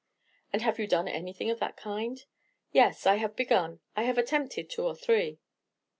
"And have you done anything of that kind?" "Yes, I have begun. I have attempted two or three."